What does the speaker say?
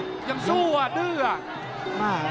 ยังสู้อ่ะดื้ออ่ะ